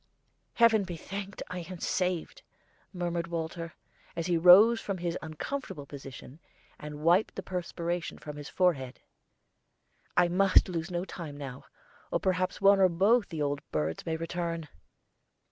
"Heaven be thanked, I am saved!" murmured Walter, as he rose from his uncomfortable position and wiped the perspiration from his forehead. "I must lose no time now, or perhaps one or both the old birds may return."